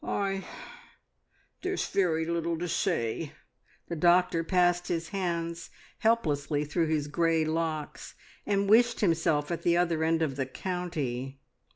"I I there is very little to say!" The doctor passed his hands helplessly through his grey locks and wished himself at the other end of the county.